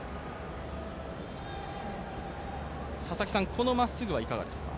このまっすぐはいかがですか？